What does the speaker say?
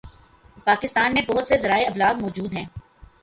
پاکستان میں بہت سے ذرائع ابلاغ موجود ہیں